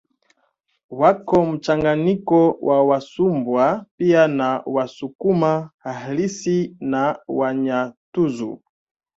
Wako mchanganyiko na Wasumbwa pia na Wasukuma halisi na Wanyantuzu